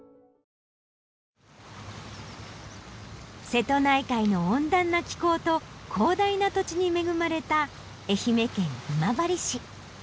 瀬戸内海の温暖な気候と広大な土地に恵まれた愛媛県今治市。